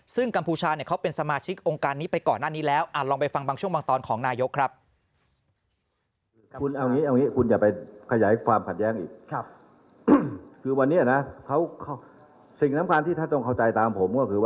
ซึ่งกัมพูชาเขาเป็นสมาชิกองค์การนี้ไปก่อนหน้านี้แล้ว